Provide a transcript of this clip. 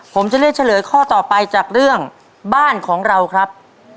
ผมจะเลือกเฉลยข้อต่อไปจากเรื่องบ้านของเราครับ